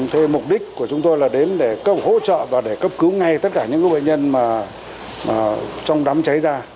thế mục đích của chúng tôi là đến để hỗ trợ và để cấp cứu ngay tất cả những bệnh nhân mà trong đám cháy ra